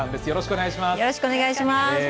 よろしくお願いします。